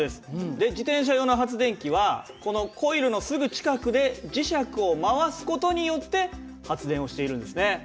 で自転車用の発電機はこのコイルのすぐ近くで磁石を回す事によって発電をしているんですね。